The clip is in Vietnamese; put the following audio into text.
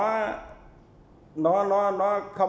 sự thay đổi bởi lựa chọn